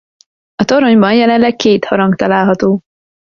A toronyban jelenleg két harang található.